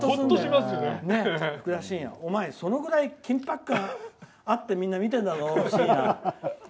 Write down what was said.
お前、そのぐらい緊迫感あってみんな見てるんだぞ、しんや。